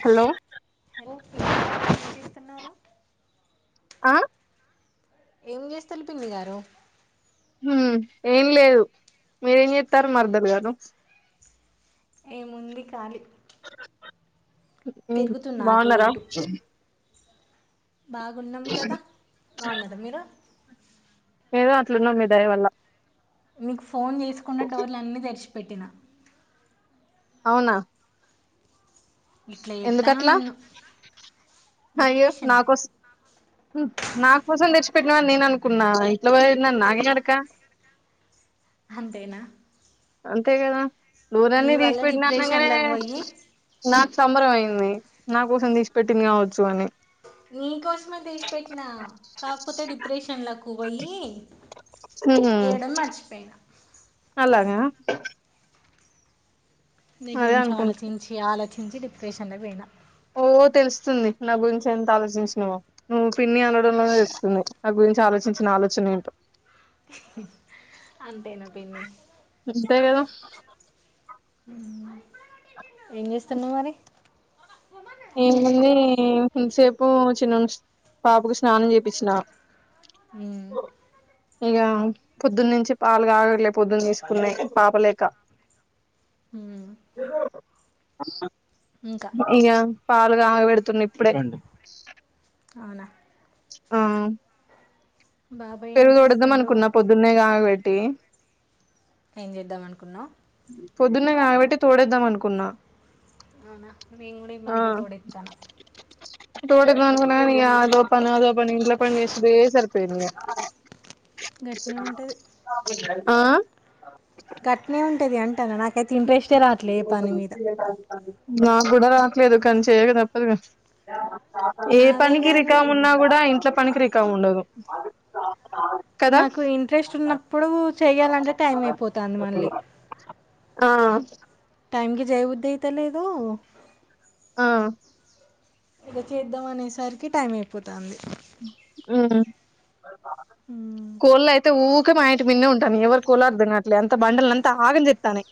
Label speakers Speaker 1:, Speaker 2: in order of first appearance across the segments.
Speaker 1: Hello
Speaker 2: hello చేస్తున్నారు
Speaker 1: ఆ
Speaker 2: ఏం చేస్తారు పిన్ని గారు
Speaker 1: ఉమ్ ఏం లేదు మీరేం చెస్తారు మార్దల్ గారు
Speaker 2: ఏముంది కాలి
Speaker 1: ఉమ్
Speaker 2: తిరుగుతున్నా అటు
Speaker 1: బాగున్నారా
Speaker 2: ఇటు బాగున్నాం కదా బాగున్నరా మీరు
Speaker 1: ఏదో అట్లున్నాం మీ దయ వల్ల
Speaker 2: మీకు ఫోన్ చేసుకుండా డోర్లు అన్నిీ తెరిచు పెట్టిన
Speaker 1: అవునా
Speaker 2: ఇట్లా చేత్తాను
Speaker 1: ఎందుకట్లా
Speaker 2: నన్ను
Speaker 1: అయ్యో
Speaker 2: డిప్రెషన్
Speaker 1: నా కోసం నా కోసం తెచ్ ట్టినావు అని నేను అనుకున్నా ఇంట్లో పోయిన్నా నాగే అడక
Speaker 2: అంతేనా
Speaker 1: అంతే కదా
Speaker 2: నీ
Speaker 1: నూరన్నీ తీసి
Speaker 2: వల్ల
Speaker 1: పెెట్టినగానే
Speaker 2: డిప్రెషన్లకు పోయి
Speaker 1: నాకు సంబరం అయింది నీ నా కోసం తీసిపెట్టింది కావచ్చు అని
Speaker 2: నీకోసమే తీసిపెట్టినా కాకపోతే డిప్రెషన్లకు పోయి
Speaker 1: హ్మ్
Speaker 2: ఏయడం మర్చిపోయినా
Speaker 1: అలాగా అదే
Speaker 2: దగ్గరించి
Speaker 1: అనుకుంటా
Speaker 2: ఆలోచించి ఆలోచించ ంచి డిప్రెషన్ లోకి పోయిన
Speaker 1: ఓ తెలుస్తుంది నా గురించి ఎంత ఆలోచించినవో నువ్వు పిన్ని అనడంలోనే తెలుస్తుంది నా గురించి ఆలోచించిన ఆలోచన ఏంటో
Speaker 2: హ్మ్ అంతేనా పిన్ని
Speaker 1: అంతే కదా
Speaker 2: ఏం చేస్తున్నవు మరి
Speaker 1: ఏముందీ ఇంతసేపు చిన్నోనికి పాపకు స్నానం చేప్పిచ్చిన
Speaker 2: మ్మ్
Speaker 1: పొద్దున్న నుంచి పాలు కాగట్లే పొద్దున్న తీసుకున్నయి పాపలేక
Speaker 2: మ్మ్
Speaker 1: ఆ ఇగ పాలుకాగ పెడుతున్నా ఇప్పుడే
Speaker 2: అవునా
Speaker 1: ఆ
Speaker 2: బాబాయ్ ఏం
Speaker 1: పెరుగు తోడేద్దాం
Speaker 2: చేస్తుండు?
Speaker 1: అనుకున్న పొద్దున్నే కాగబెట్టి
Speaker 2: ఏం చేద్దాం అనుకున్నావ్
Speaker 1: పొద్దున్నే కాగబెట్టి తోడేద్దాం అనుకున్నా
Speaker 2: అవునా మేం గూడ ఇ ఈమధ్య తోడేత్తన
Speaker 1: [unintelligible] ఇంట్ల పని ఇంట్ల పని చేసుడే ఇదే సరిపోయింది ఆ
Speaker 2: గట్నే ఉంటది
Speaker 1: ఆ
Speaker 2: గట్నే ఉంటది అంటనా నాకి అయితే ఇంట్రెస్టే రావట్లే పని మీద
Speaker 1: నాకు గూడ రాట్లేదు కాని చేయగ తప్పదు గ ఏ
Speaker 2: అదే
Speaker 1: పనికి
Speaker 2: గాని
Speaker 1: రికాం ఉన్నా కూడా ఇంట్లో పనికి రిక ఖ ఉండదు కదా
Speaker 2: నాకు ఇంట్రెస్ట్ ఉన్నప్పుడు చేయ్యాలంటే టైం అయిపోతాంది మళ్ళీ
Speaker 1: ఆ
Speaker 2: టైమ్కి జైబుద్ధైతలేదు
Speaker 1: ఆ.
Speaker 2: ఇగ చేద్దాం అనేసరికి టైం అయిపోతాంది
Speaker 1: హమ్
Speaker 2: హ్మ్
Speaker 1: కొల్లైతే ఊ క మా ఇంటి మిన్నే ఉంటానయి ఎవరికొల్లో అర్థంకట్లే అంత బండలంత ఆగం చేతనై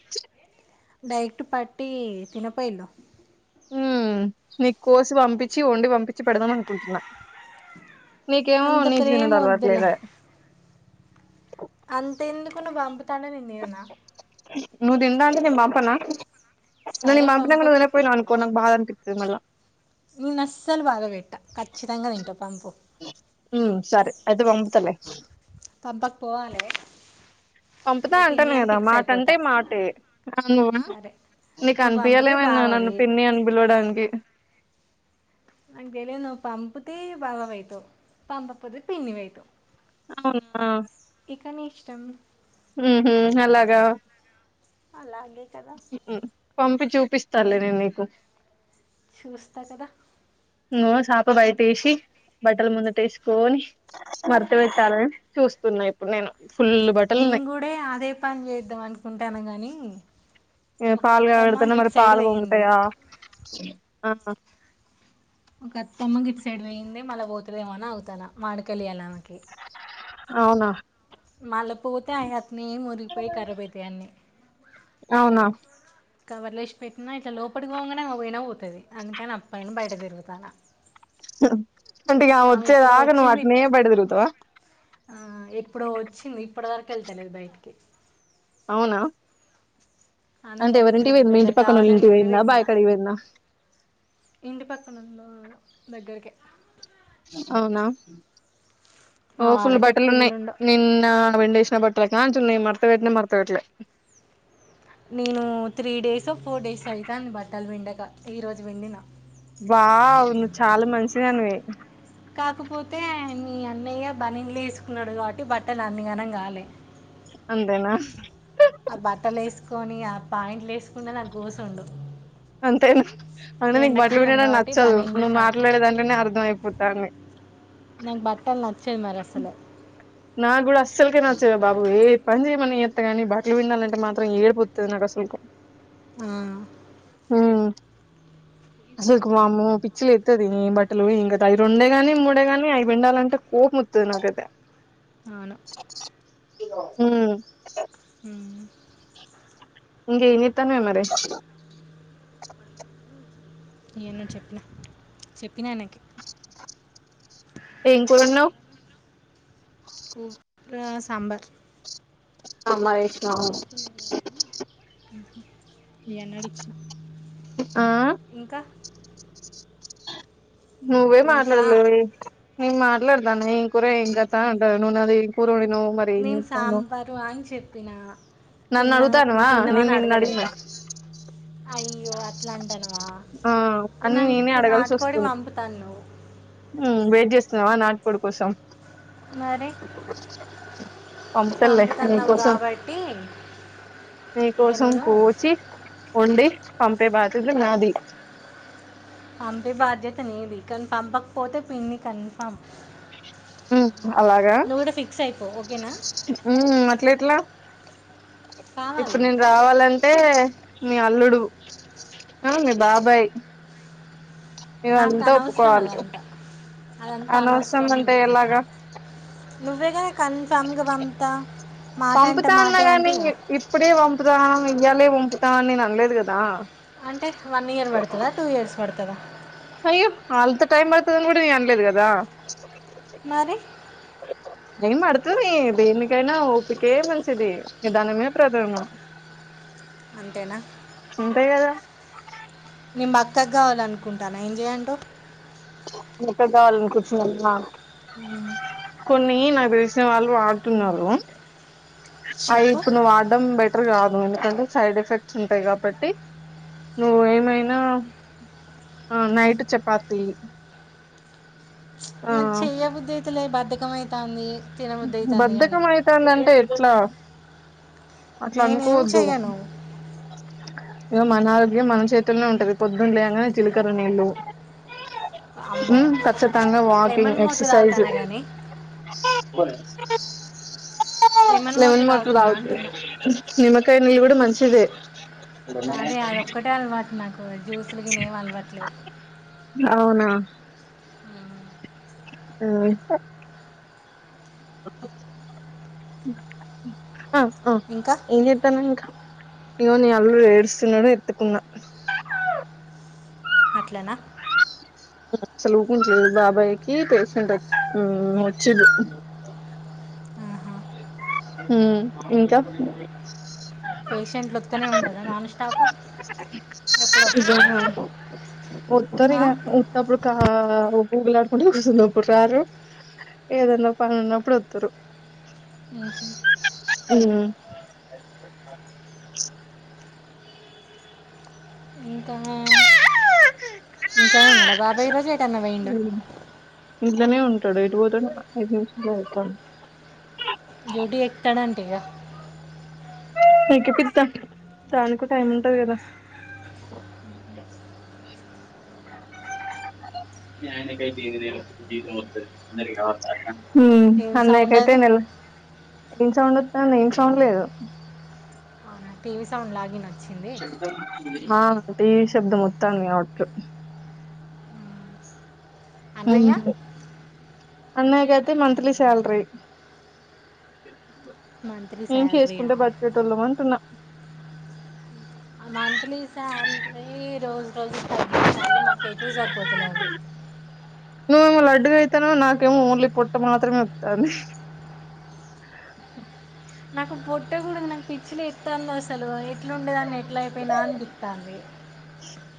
Speaker 2: డైట్ పట్టి తినపోయిన్న
Speaker 1: ఉ నీకు కోసి పంపించి వండి పంపించి పెడదాం అనుకుంటున్న నీకేమో
Speaker 2: అంత
Speaker 1: నిస్
Speaker 2: ప్రేమ
Speaker 1: తినడు అలవట్లేదే
Speaker 2: అంతెందుకు నువ్వు పంపుతా అంటే నేను తినన
Speaker 1: నువ్వు తింటా అంటే నేను పంపిన నువు
Speaker 2: సరే
Speaker 1: నేను పంపిణాంక
Speaker 2: పంపు
Speaker 1: నువు తినకపోయినా అనుకో నా బా విమల
Speaker 2: నూనె అస్సలు బాగ పెట్టా ఖచ్చితంగా తినటం
Speaker 1: ఉ సరే అయితే బంపుతలే
Speaker 2: పంపకపోవాలే
Speaker 1: పంపుతా అంటాన కదా మాట అంటే మాటే అవున
Speaker 2: సరే
Speaker 1: నీకు
Speaker 2: నువ్వు పంపితే
Speaker 1: అనిపియలేమన్నా నన్ను
Speaker 2: బావవి
Speaker 1: పిన్ని అనిపిలవడానికి
Speaker 2: అ గేలే నువ్వు పంపితే బావ అవుతావు పంపపోతే పిన్ని అయితవ్
Speaker 1: అవునా
Speaker 2: కని ఇష్టం
Speaker 1: హమ్ అలాగా
Speaker 2: అలాగ
Speaker 1: పంపు చూపిస్ సర్లే నీకు
Speaker 2: చూస్త కద
Speaker 1: ను్ చేప బయట వేసి బట్టల ముందతసుకొని మడత పెట్టాలని చూస్తున్నా ఇప్పుడు నేను ఫుల్ బట్టలు
Speaker 2: నేను కూడే అదే పని చేద్దాం అనుకుంటాన గాని
Speaker 1: ఎ పాలు కాగా పెడుతన్నా మరి పాలు
Speaker 2: పోయింది
Speaker 1: పొంగతాయా ఆహ
Speaker 2: ఒకత్తమ్మ గీట్ సైడ్ పోయింది మళ్ళ పో తదేమో అని అగుతన మావిడి కాయలీయాలి ఆమెకి
Speaker 1: అవునా
Speaker 2: అలపోతేఅయస్ నీ మురిగిపోయి కారబైతై అన్ని
Speaker 1: అవునా
Speaker 2: కవర్లేసి పెట్టినా ఇట్లా లోపలికి పోవగానేక ఆమే పోయినా పోతుంది అందుకని అప్పటి నుంచి బయట తిరుగుతన్న
Speaker 1: అంటే ఇగ
Speaker 2: ఎప్పుడో
Speaker 1: వచ్చేదాకా నువ్వు
Speaker 2: వచ్చింది
Speaker 1: అట్నే బయట తిరుగుతావా
Speaker 2: ఎప్పుడో వచ్చింది ఇప్పటి వరకు వెళ్తలేదు బయటికి
Speaker 1: అవున
Speaker 2: అందరికి పెద్ద పెద్ద
Speaker 1: పక్కన వాళ్ళ
Speaker 2: కావాలని
Speaker 1: ఇంటికి
Speaker 2: నింపి
Speaker 1: పోయిందా
Speaker 2: పెట్టిన
Speaker 1: బాయి కాడికి పోయిందా
Speaker 2: ఇంటి పక్కన ఉంద దగ్గరికే
Speaker 1: అవున
Speaker 2: మా
Speaker 1: ఓ ఫుల్
Speaker 2: వాడకి
Speaker 1: బట్టలు
Speaker 2: ఎక్కువ ఇల్లులు
Speaker 1: ఉన్నాయి
Speaker 2: ఉండవు
Speaker 1: నిన్న పిన్డేసిన బట్టలు నా చున్ని మడ్తపెట్టిన మడ్తాపెట్టి
Speaker 2: నేను త్రీ డేస్ ఫోర్ డేస్ అవుతాంది బట్టలు పిండక ఈ రోజు పిండిన
Speaker 1: వావ్ నువ్వు చాలా మంచి దానివి
Speaker 2: కాకపోతే మీ అన్నయ్య బనిన్ లు వేసుకున్నాడు కాబట్టి బట్టలు అన్నిగానం కాలే
Speaker 1: అంతేనా
Speaker 2: ఆ బట్టలు వేసుకొని ఆ పాయింట్లు వేసుకుంటే నాకు గూసుండు
Speaker 1: అంతేనా అంటే నీకు బట్టలు పిండడం
Speaker 2: కాబట్టి
Speaker 1: నచ్చదు
Speaker 2: బనీన్లు
Speaker 1: నువ్వు
Speaker 2: షార్ట్లే
Speaker 1: మాట్లాడేదాంట్లానే అర్థం అయిపోతాని
Speaker 2: చెమరస్లు
Speaker 1: నా గ కూడా అస్సల్ కె నచ్చే బబు ఏ పని చేయమం చేత్తగాని బట్టలు పిండాలంటే మాత్రం ఏడిపోత్తది నాకు అసలు
Speaker 2: ఆ
Speaker 1: అసలు మామ పిచ్చి లేత్తది న బట్టలు ఇంకద అవి రెండే గాని మూడే గాని అవి పిండాలంటే కోపం వత్తది నాకదతే
Speaker 2: అవును
Speaker 1: హ్మ్
Speaker 2: వి
Speaker 1: ఇంక ఎం తన్వే మరి
Speaker 2: ఐయన్న చెప్పిన చెప్పినా నే
Speaker 1: ఏం కూర వొండినవ్
Speaker 2: కు సాంబార్
Speaker 1: అమ్మ విష్ణ
Speaker 2: ఎన అడిచ
Speaker 1: ఆ నువ్వే
Speaker 2: ఇంకా
Speaker 1: మాట్లాడలీ నేన్ మాట్లాడ బన్నీ కుర ఎం కాత ఉంట నున్న అది పు
Speaker 2: నేను సాంబారు అని చెప్పినా
Speaker 1: నన్ను
Speaker 2: తిన్నా నువ్వు
Speaker 1: అడుగుతాన్నవా
Speaker 2: తిన్నావా
Speaker 1: నేను
Speaker 2: అని
Speaker 1: నిన్ను
Speaker 2: అడగలే
Speaker 1: అడిగిన
Speaker 2: ఫస్ట్ అయ్యో అట్లాంటానవ్
Speaker 1: ఆ అని నేనే అడగాల్సి
Speaker 2: నాటుకోడి
Speaker 1: వస్తుంది
Speaker 2: పంపుతాను నువ్వు
Speaker 1: వెయిట్ చేస్తున్నావా నా కోడి కోసం
Speaker 2: మరి
Speaker 1: అంతేలే నీ
Speaker 2: పంపుతున్నావు
Speaker 1: కోసం
Speaker 2: కాబట్టి
Speaker 1: నీ
Speaker 2: ఇక
Speaker 1: కోసం
Speaker 2: నేను
Speaker 1: కూచి వొండి పం పే బాద్యత నాది
Speaker 2: పంపే బాధ్యత నీది కానీ పంపకపోతే పిన్ని కన్ఫామ్
Speaker 1: అలాగా
Speaker 2: నువ్వు కూడా ఫిక్స్ అయిపో ఓకేనా
Speaker 1: అట్ల ఎట్లా ఇప్పుడు
Speaker 2: కావాలి
Speaker 1: నేను రావాలంటే మీ అల్లుడు అ మీ బాబాయ్
Speaker 2: నాకు
Speaker 1: ఇవంతా
Speaker 2: అనవసరం
Speaker 1: ఒప్పుకోవాలి
Speaker 2: అదంతా అదంతా
Speaker 1: అనవసరం అంటే ఎలాగా
Speaker 2: నువ్వేగా అంటే
Speaker 1: పంపుతా అన్నా
Speaker 2: మాటే అంటే
Speaker 1: కానీ
Speaker 2: ఇక.
Speaker 1: ఇప్పుడే పంపుతాన్నా ఇయ్యాలే పంపుతా అని నేను అనలేదు కదా
Speaker 2: అంటే వన్ ఇయర్ పడుతుందా టూ ఇయర్స్ పడుతు ఇక్కవా
Speaker 1: అయ్యో అల్త టైమ్ బర్తుదని కూడా నేను అనలేదు కదా
Speaker 2: మరి
Speaker 1: టైం పడుతది దేనికైనా ఓపికే మంచిది నిదానమే ప్రధానం
Speaker 2: అంతేనా
Speaker 1: అంతే కదా
Speaker 2: నేను బక్కాగా వాలనుకుంటాను ఏం చేయ్యంటో
Speaker 1: ఎక్క కావాలని కూర్చుని కొన్ని నా తెలిసిన వాళ్ళు వాడుతున్నారు అయి
Speaker 2: చెప్పు
Speaker 1: ఇప్పుడు నువ్ వాడం బెటర్ కాదు ఎందుకంటే సైడ్ ఎఫెక్ట్స్ ఉంటాయి కాబట్టి నువ్వు ఏమైనా నైట్ చపాతీ
Speaker 2: మ చెయయా బుద్ధతేల బధ ఖమైతంది
Speaker 1: బధక మైతాందంటే ఇ ఇలా అట్లా
Speaker 2: నేనేం
Speaker 1: అనుకోవద్దు
Speaker 2: చెయ్యను
Speaker 1: ఇో మన ఆరోగ్యం మన చేతులోనే ఉంటంది పొద్దున్నేగానే చిలకర నీళ్ళలు
Speaker 2: అమ్మో
Speaker 1: పచ్చతాంగా వాకింగ్
Speaker 2: లెమన్ వాటర్
Speaker 1: ఎక్ససైస్
Speaker 2: తాగుతానా కానీ
Speaker 1: ఇ
Speaker 2: లెమన్ వాటర్ తాగుతున్నా అంటున్నా
Speaker 1: నిమ కై నిల్ కూడా మంచించిద
Speaker 2: అదే అద ఒక్కటే అలవాటు నాకు జ్యూసులకినేం అలవట్లేదు
Speaker 1: ఆ ఆ ఆ
Speaker 2: ఇంకా
Speaker 1: ఇనిెతానంకా ఇవో న ఎరు ఏడుసన ఎత్తుకున్నా
Speaker 2: అట్లనా
Speaker 1: అసలుపంచి బాబాయ్ కకి పేసెంట్ వచ్చేది
Speaker 2: ఆ
Speaker 1: హ ఇంకా
Speaker 2: పేషెంట్లుొతనే ఉంటుదా నాన్ స్టాప్ ఎప్పుడొసారా
Speaker 1: ఆ ఊగులా ఆడుకుంటూ కూర్చందిప్పుడు రారు ఏదన్నా పని ఉన్నప్పుడు వతురు
Speaker 2: ఇంకాే ఇంకా ఇంంచాల ఉన్నాడా బాబా ఈరోోజటాన్న వయయిం
Speaker 1: ఇలానే ఉంటాడు ఎయిటు పోతే ఐదు నిమిష అవుతా
Speaker 2: కా
Speaker 1: ఇకపిిద్దాం చానికు టైం ఉంటది కదా ననకై దర దేతుంది అందరి వత హ
Speaker 2: ఏం సౌండ్ అది
Speaker 1: అన్నయకైతేనెల ఎం సౌండ్ వస్త నం సౌండ్ లేదు
Speaker 2: పటీవీ సాౌండ్గగిిన
Speaker 1: హా ఈ శబ్దం మొత్తాన్ని మీ వట్ు అ
Speaker 2: అన్నయ్య
Speaker 1: అన్నయక అయితే మంత్లీ సాలరిీ
Speaker 2: మంత్లీ
Speaker 1: ఏేం చేసుకుంటే
Speaker 2: శాలరీయా
Speaker 1: బతుకెట్ వెళ్ళాం అంటున్నా
Speaker 2: మంత్లీ శాలరీ రోజు రోజు తార్ మాకు ఎటువ సరిపోతులే అవి
Speaker 1: నువ్వేమో లడ్డుగా అయితాన నాకేమో ఓన్లీ పొట్ట మాత్రమే వతంది
Speaker 2: నాకు పొట్టేకూడదు నాకు పిచ్చిలు ఎస్తాంది అసలు ఎట్లు ఉండేదాన్ని ఎట్లా అయిపోయినా అని దిప్తాంది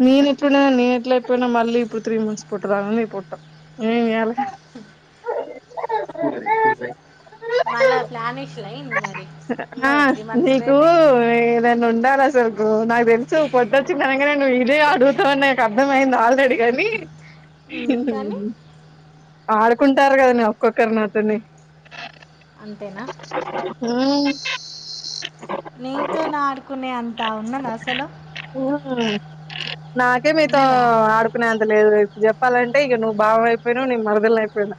Speaker 1: నను ఎప్పుడుయినా నీ ఎట్లా ఎప్పుడుయినా మళ్ళీ ఇప్పుడు త్రీ మంత్స్ పోట్దా పోట్టా ఏ ఏలా
Speaker 2: హ
Speaker 1: యి
Speaker 2: మళ్ళా ప్లాని
Speaker 1: ఆ నీకు
Speaker 2: బేబీ
Speaker 1: ఏదంన్న నాది అసలుకు నా పెంచు పొట్టచిందనే ఇక నన్ను ఇదే అడుగుతావని నాకు అర్థమైయింది ఆల్రెడీ కాని
Speaker 2: హ్ కానీ
Speaker 1: ఆడుకుంటారు కాదనే ఒక్కాఒకరు నాతోని
Speaker 2: అంతేనా
Speaker 1: హ్
Speaker 2: నీతో నా ఆడుకునే అంతా ఉన్నది అసలు
Speaker 1: హ్ హు నాకే మీతో
Speaker 2: ఉన్నదా
Speaker 1: ఆడుకునేంత లేదు లె ఇప్పుడు చెప్పాలంటే ఇక నువ్వు బావ అయిపోయినావు నీ మరదలు అయిపోయినా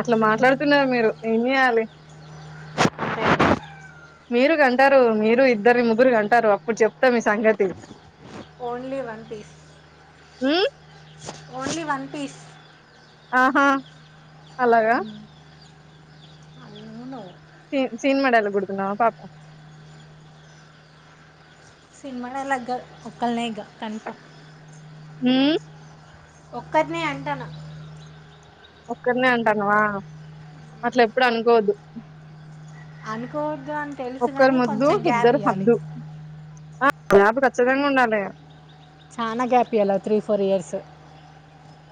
Speaker 1: అట్లా మాట్లాడుతున్నారు మీరు ఏం చేయాలి
Speaker 2: అంటే
Speaker 1: మీరు కంటారు మీరు ఇద్దరు ముగ్గురిని కంటారు అప్పుడు చెప్తాం మీ సంగతి
Speaker 2: only one piece
Speaker 1: hmm
Speaker 2: only one piece
Speaker 1: ఆహా అలాగా
Speaker 2: అవును
Speaker 1: సీన్ సినిమా డైలాగ్ కొడుతున్నావ పాప
Speaker 2: సినిమా డైలాగ్ కాద్ ఒక్కల్నే ఇగ కన్ఫామ్
Speaker 1: హ్మ్
Speaker 2: ఒక్కరినే అంటానా
Speaker 1: ఒక్కరినే అంటన్నవ అట్ల ఎప్పుడు అనుకోవద్దు
Speaker 2: అనుకోవద్దు అని
Speaker 1: ఒక్కరు
Speaker 2: తెలుసుగాని కొంచెం గ్యాప్ ఇయ్యాలి
Speaker 1: ఆ గ్యాప్ కచ్చితంగా ఉండాలె
Speaker 2: చాలా గ్యాప్ ఇయ్యాల త్రీ ఫోర్ ఇయర్స్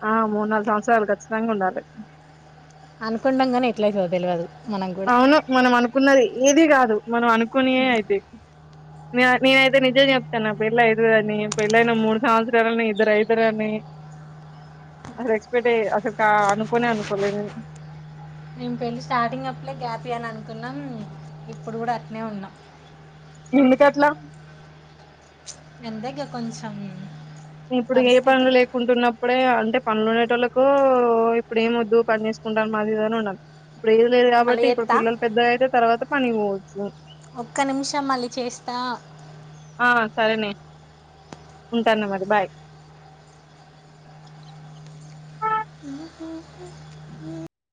Speaker 1: ఆ మూడు నాలుగు సంవత్సరాలు ఖచ్చితంగా ఉండాలి
Speaker 2: ఆనుకుంటంకాని ఎట్లైతదో తెలియదు మనకు కూడా
Speaker 1: అవును మనం అను అనుకున్నది ఏది కాదు మనం అనుకోనియే అయితేయి నేనయితే నిజం చెపుతున్న పెళ్లి అవుతుందిని పెళ్లి అయినా మూడు సంవత్సరాలకి ఇద్దరు అవుతారుని అసలు ఎక్స్పెక్ట్ అయ అసలు కా అనుకోనే అనుకోలే నేను
Speaker 2: మేము పెళ్ళి స్టార్టింగ్ అప్పుడే గ్యాప్ ఇయాలి అని అనుకున్నాం ఇప్పుడు కూడా అట్నే ఉన్నాం
Speaker 1: ఎందుకట్లా
Speaker 2: ఎందగ్గా కొంచెం
Speaker 1: ఇప్పుడు ఏ పనులు
Speaker 2: పరిస్థితులు
Speaker 1: లేకుంటున్నప్పుడే అంటే పనుగొనేటోళ్ళలకు ఇప్పుడు ఏం వద్దు పని చేసుకుంటం మాదిఇది అని అన్నరు ఇప్పుడు ఏది లేదు
Speaker 2: మళ్ళీ
Speaker 1: కాబట్టి ఇప్పుడు
Speaker 2: చేస్తా
Speaker 1: పిల్లలు పెద్దగైతే తర్వాత పనికిపోవచ్చు
Speaker 2: ఒక్క నిమిషం మళ్ళీ చేస్తా
Speaker 1: ఆ సరేనే ఉంటాన్న మరి బాయ్